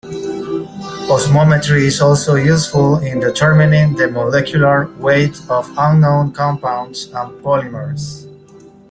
Osmometry is also useful in determining the molecular weight of unknown compounds and polymers.